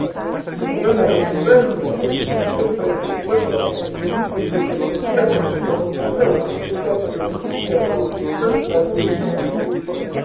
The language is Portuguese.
Enel, Emege, Expresso, Odilon, Multicine, Piracanjuba, Sama, Tend Tudo, Viação Transbrasiliana